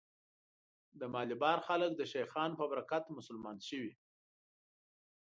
د مالیبار خلک د شیخانو په برکت مسلمان شوي.